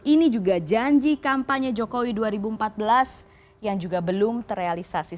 ini juga janji kampanye jokowi dua ribu empat belas yang juga belum terrealisasi